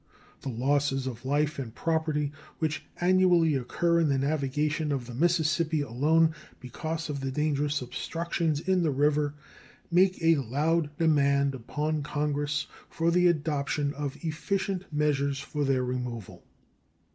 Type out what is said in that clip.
The losses of life and property which annually occur in the navigation of the Mississippi alone because of the dangerous obstructions in the river make a loud demand upon Congress for the adoption of efficient measures for their removal.